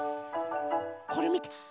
これみて。